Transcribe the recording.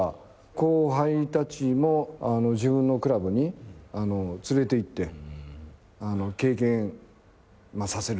後輩たちも自分のクラブに連れていって経験させるっていうか。